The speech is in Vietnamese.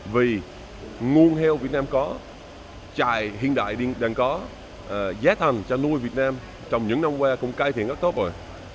vì nguồn heo việt nam có trà hiện đại đang có giá thành cho nuôi việt nam trong những năm qua cũng cải thiện rất tốt rồi